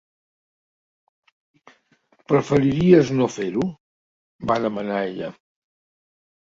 "Preferiries no fer-ho?", va demanar ella.